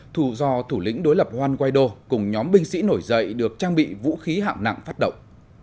thù do thủ lĩnh đối lập januaido cùng nhóm binh sĩ nổi dậy được trang bị vũ khí hạng nặng phát động